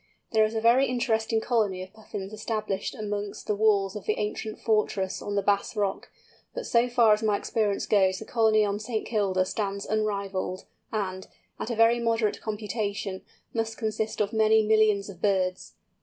There is a very interesting colony of Puffins established amongst the walls of the ancient fortress on the Bass Rock, but so far as my experience goes the colony on St. Kilda stands unrivalled, and, at a very moderate computation, must consist of many millions of birds!